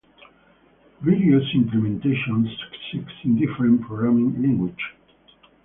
Various implementations exist in different programming languages.